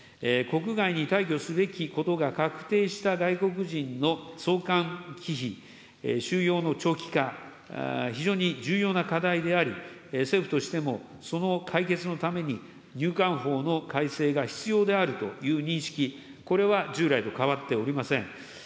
国外に退去すべきことが確定した外国人の送還忌避、収容の長期化、非常に重要な課題であり、政府としてもその解決のために入管法の改正が必要であるという認識、これは従来と変わっておりません。